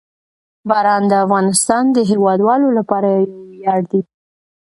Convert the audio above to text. باران د افغانستان د هیوادوالو لپاره یو ویاړ دی.